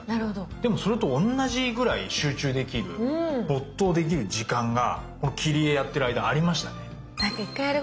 でもそれと同じぐらい集中できる没頭できる時間がこの切り絵やってる間ありましたね。